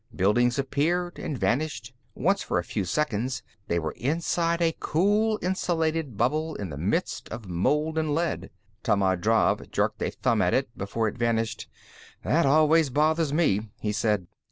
Buildings appeared and vanished. Once, for a few seconds, they were inside a cool, insulated bubble in the midst of molten lead. Tammand Drav jerked a thumb at it, before it vanished. "That always bothers me," he said.